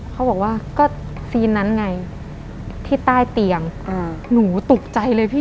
เขาบอกว่าก็ซีนนั้นไงที่ใต้เตียงหนูตกใจเลยพี่